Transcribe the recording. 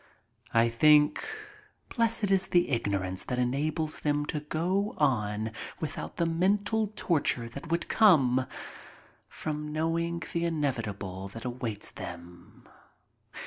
I think blessed is the ignorance that enables them to go on without the mental torture that would come from knowing the inevitable that awaits them.